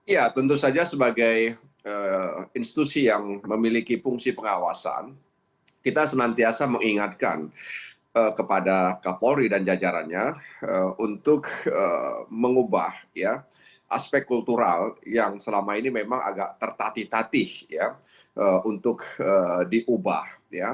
ya tentu saja sebagai institusi yang memiliki fungsi pengawasan kita senantiasa mengingatkan kepada kapolri dan jajarannya untuk mengubah aspek kultural yang selama ini memang agak tertatih tatih untuk diubah